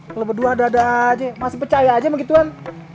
kalau berdua dada aja masih pecah aja begituan